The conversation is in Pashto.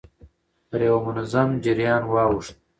پر يوه منظم جريان واوښت.